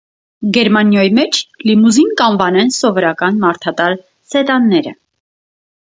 Գերմանիոյ մէջ «լիմուզին» կ՛անուանեն սովորական մարդատար սետանները։